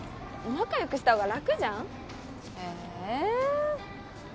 仲よくした方が楽じゃんえ？